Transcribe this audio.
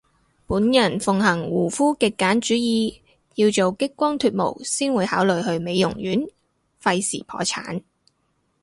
本人奉行護膚極簡主義，要做激光脫毛先會考慮去美容院，廢事破產